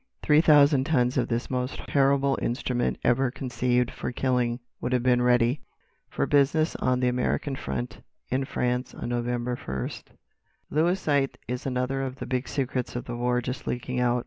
Three thousand tons of this most terrible instrument ever conceived for killing would have been ready for business on the American front in France on November 1. "'Lewisite' is another of the big secrets of the war just leaking out.